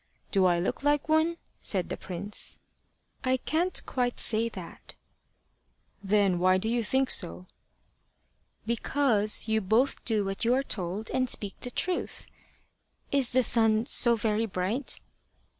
"Do I look like one?" said the prince. "I can't quite say that." "Then why do you think so?" "Because you both do what you are told and speak the truth. Is the sun so very bright?"